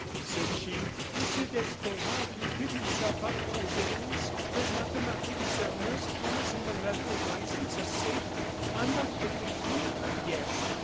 said she. "Monsieur d'Escorval will give himself up to his enemies? Does not the Marquis de Sairmeuse promise him a letter of license, a safe conduct from the King?" "Yes."